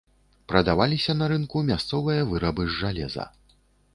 Прадаваліся на рынку мясцовыя вырабы з жалеза.